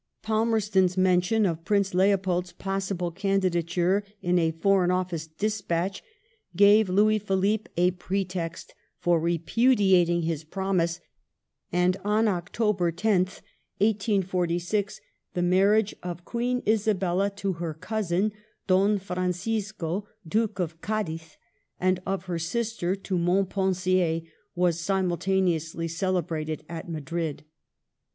Palmerston's mention of Prince Leopold's possible candidature in a Foreign Office despatch gave Louis Philippe a pretext for repudiating his promise, and on October 10th, 1846, the marriage of Queen Isabella to her cousin Don Franciso Duke of Cadiz and of her sister to Montpensier were simultaneously cele brated at Madrid.